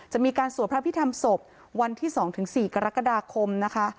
จะมีการสวดพระพิธรรมศพวันที่๒๔กรกฎาคมนะคะ